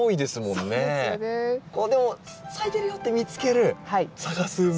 でも咲いてるよって見つける探すウメ。